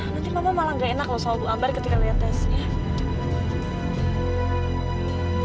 nanti mama malah gak enak sama bu ambar ketika liat tesnya